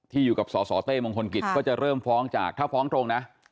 อยู่กับสสเต้มงคลกิจก็จะเริ่มฟ้องจากถ้าฟ้องตรงนะ